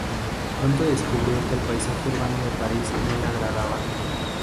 Pronto descubrió que el paisaje urbano de París no le agradaba.